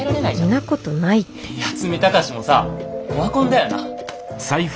んなことないって八海崇もさオワコンだよな。